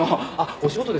お仕事ですか？